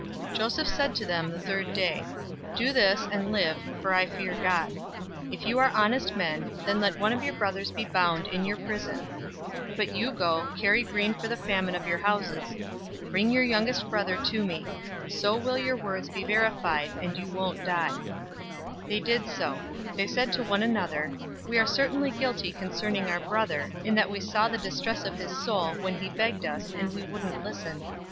042:018 Joseph said to them the third day, "Do this, and live, for I fear God. 042:019 If you are honest men, then let one of your brothers be bound in your prison; but you go, carry grain for the famine of your houses. 042:020 Bring your youngest brother to me; so will your words be verified, and you won't die." They did so. 042:021 They said one to another, "We are certainly guilty concerning our brother, in that we saw the distress of his soul, when he begged us, and we wouldn't listen.